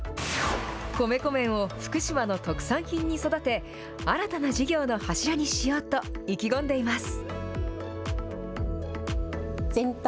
米粉麺を福島の特産品に育て、新たな事業の柱にしようと意気込んでいます。